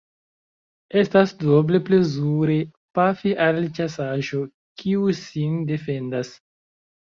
Estas duoble plezure pafi al ĉasaĵo, kiu sin defendas.